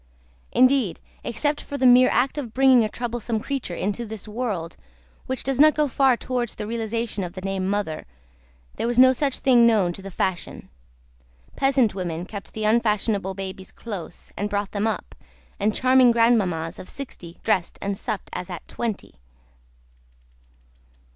Indeed, except for the mere act of bringing a troublesome creature into this world which does not go far towards the realisation of the name of mother there was no such thing known to the fashion. Peasant women kept the unfashionable babies close, and brought them up, and charming grandmammas of sixty dressed and supped as at twenty.